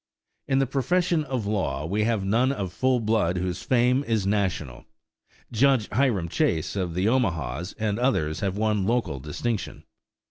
In the profession of law we have none of full blood whose fame is national. Judge Hiram Chase of the Omahas and others have won local distinction.